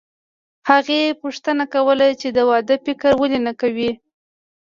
هغې پوښتنه کوله چې د واده فکر ولې نه کوې